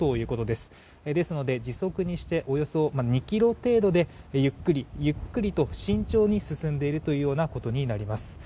ですので時速にしておよそ２キロ程度でゆっくりと慎重に進んでいるということになります。